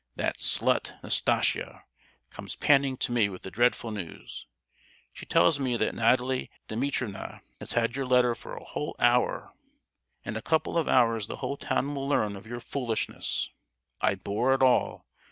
That slut, Nastasia, comes panting to me with the dreadful news; she tells me that Natalie Dimitrievna has had your letter for a whole hour. In a couple of hours the whole town will learn of your foolishness! I bore it all.